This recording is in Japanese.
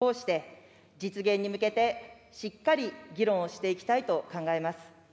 これからの国会論戦を通して、実現に向けて、しっかり議論をしていきたいと考えます。